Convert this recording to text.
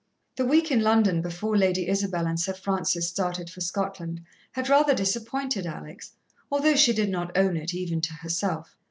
The week in London before Lady Isabel and Sir Francis started for Scotland had rather disappointed Alex, although she did not own it, even to herself.